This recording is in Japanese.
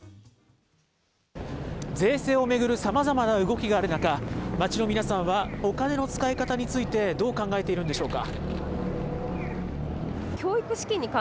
税制を巡るさまざまな動きがある中、街の皆さんは、お金の使い方についてどう考えているんでしょうか。